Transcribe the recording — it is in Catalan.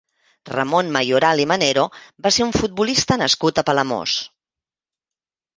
Ramon Mayoral i Manero va ser un futbolista nascut a Palamós.